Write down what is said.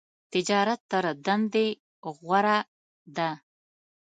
تجارت تر دندی غوره ده .